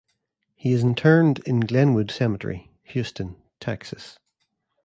He is interred in Glenwood Cemetery, Houston, Texas.